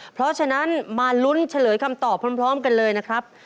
เพราะฉะนั้นมาลุ้นเฉลยคำตอบพร้อมกันเลยนะครับ